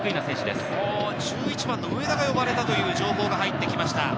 １１番の上田が呼ばれたという情報が入ってきました。